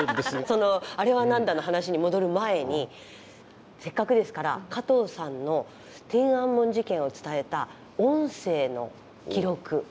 その「あれはなんだ！」の話に戻る前にせっかくですから加藤さんの天安門事件を伝えた音声の記録